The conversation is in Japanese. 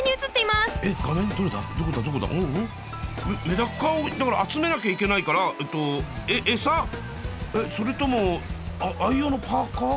メダカをだから集めなきゃいけないからえっと餌それとも愛用のパーカー？